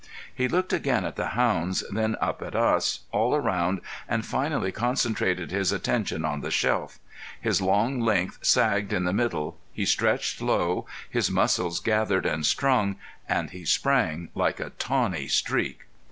He looked again at the hounds, then up at us, all around, and finally concentrated his attention on the shelf; his long length sagged in the middle, he stretched low, his muscles gathered and strung, and he sprang like a tawny streak.